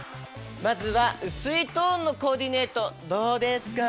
まずはうすいトーンのコーディネートどうですか？